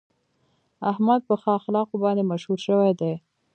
احمد په ښو اخلاقو باندې مشهور شوی دی.